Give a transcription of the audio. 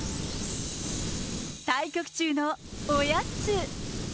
対局中のおやつ。